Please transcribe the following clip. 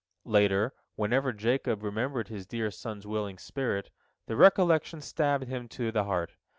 Later, whenever Jacob remembered his dear son's willing spirit, the recollection stabbed him to the heart.